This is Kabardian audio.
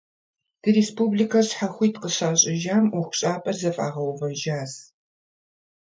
Ди республикэр щхьэхуит къыщащӏыжам, ӏуэхущӏапӏэр зэфӏагъэувэжащ.